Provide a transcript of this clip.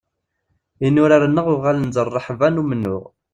Inurar-nneɣ uɣalen d rreḥba n umennuɣ.